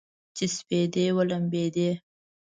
چې سپېدې ولمبیدې